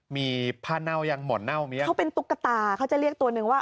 มีผ้าเน่ายังหมอนเน่าเนี้ยเขาเป็นตุ๊กตาเขาจะเรียกตัวนึงว่า